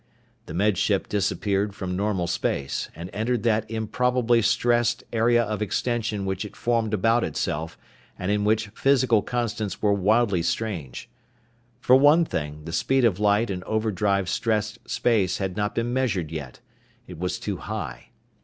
The Med Ship disappeared from normal space, and entered that improbably stressed area of extension which it formed about itself and in which physical constants were wildly strange. For one thing, the speed of light in overdrive stressed space had not been measured yet. It was too high.